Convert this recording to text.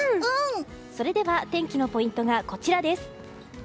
それでは天気のポイントがこちらです。